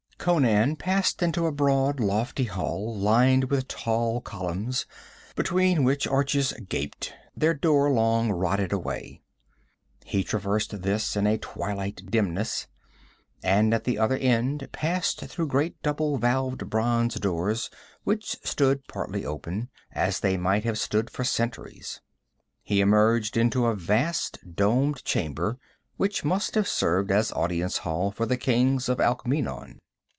Conan passed into a broad, lofty hall, lined with tall columns, between which arches gaped, their door long rotted away. He traversed this in a twilight dimness, and at the other end passed through great double valved bronze doors which stood partly open, as they might have stood for centuries. He emerged into a vast domed chamber which must have served as audience hall for the kings of Alkmeenon.